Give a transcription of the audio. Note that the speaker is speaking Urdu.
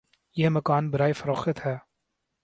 یہ مکان برائے فروخت ہے